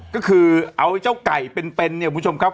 ก็คือเอาเจ้าไก่เป็นคุณคุณสมครับ